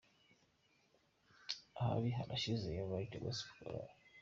Ahabi harashize ya Light Gospel Choir.